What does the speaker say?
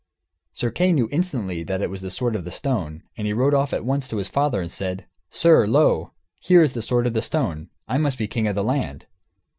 Sir Kay knew instantly that it was the sword of the stone, and he rode off at once to his father and said, "Sir, lo, here is the sword of the stone; I must be king of the land."